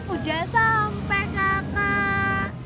udah sampe kakak